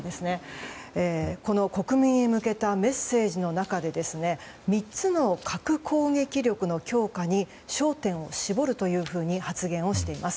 この国民へ向けたメッセージの中で３つの核攻撃力の強化に焦点を絞るというふうに発言をしています。